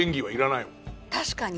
確かに。